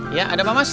iya ada apa mas